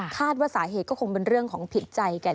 คาดว่าสาเหตุก็คงเป็นเรื่องของผิดใจกัน